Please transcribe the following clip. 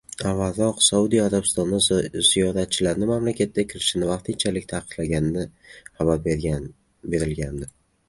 Avvalroq, Saudiya Arabistoni ziyoratchilarning mamlakatga kirishini vaqtinchalik taqiqlagani xabar berilgandi.